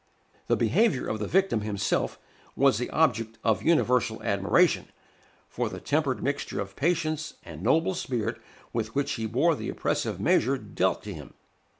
The behavior of the victim himself was the object of universal admiration, for the tempered mixture of patience and noble spirit with which he bore the oppressive measure dealt to him.